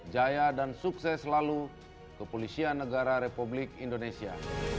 jaya dan sukses selalu kepolisian negara republik indonesia